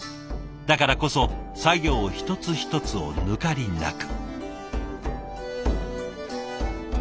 だからこそ作業一つ一つを抜かりなく。